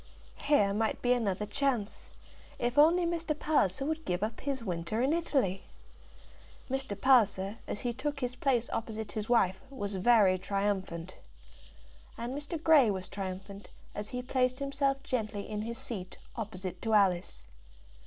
Here might be another chance, if only Mr. Palliser could give up his winter in Italy! Mr. Palliser, as he took his place opposite his wife, was very triumphant. And Mr. Grey was triumphant, as he placed himself gently in his seat opposite to Alice.